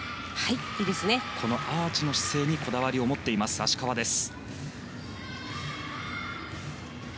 アーチの姿勢にこだわりを持っている芦川です。